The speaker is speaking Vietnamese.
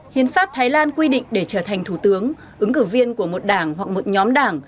hiến pháp thái lan quy định để trở thành thủ tướng ứng cử viên của một đảng hoặc một nhóm đảng